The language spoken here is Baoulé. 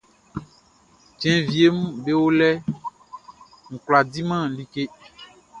Cɛn wieʼm be o lɛʼn, n kwlá diman like.